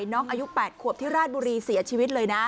มีน้องอายุ๘ควบที่ราดบุรีเสียชีวิตเลยนะ